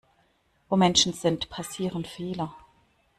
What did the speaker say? Wo Menschen sind, passieren Fehler.